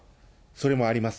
それもあります。